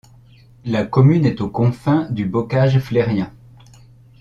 La commune est aux confins du Bocage flérien.